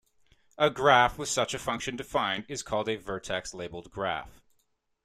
A graph with such a function defined is called a vertex-labeled graph.